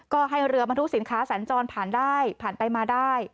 ก็ให้เรือบรรทุกสินค้าสัญจรผ่านได้ผ่านไปมาได้